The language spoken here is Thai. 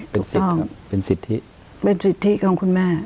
เป็นสิทธิ์ครับเป็นสิทธิเป็นสิทธิของคุณแม่